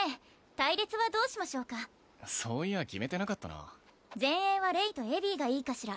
隊列はどうしましょうかそういや決めてなかったな前衛はレイとエヴィがいいかしら